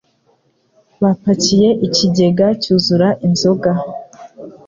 Bapakiye ikigega cyuzura inzoga